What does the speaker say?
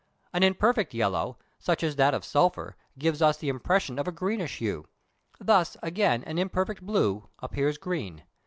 An imperfect yellow, such as that of sulphur, gives us the impression of a greenish hue: thus, again, an imperfect blue appears green.